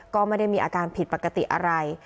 ก็ไม่ได้มีอาการผิดปกติอะไร